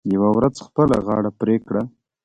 یوه ورځ خپله غاړه پرې کړه .